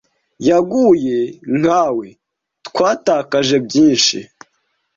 yaguye nkawe twatakaje byinshi